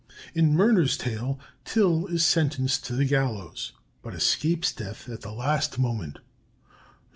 In Murner's tale, Till is sentenced to the gallows, but escapes death at the last moment.